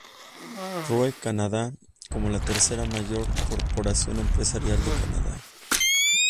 Roe Canadá como la tercera mayor corporación empresarial de Canadá.